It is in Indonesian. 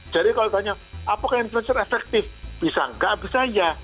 jadi kalau ditanya apakah influencer efektif bisa tidak bisa ya